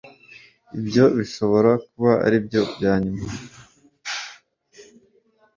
Ibyo bishobora kuba aribyo byanyuma